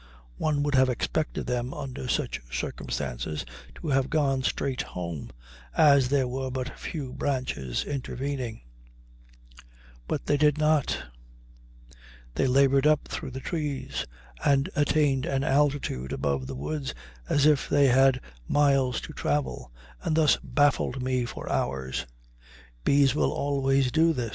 One would have expected them under such circumstances to have gone straight home, as there were but few branches intervening, but they did not; they labored up through the trees and attained an altitude above the woods as if they had miles to travel, and thus baffled me for hours. Bees will always do this.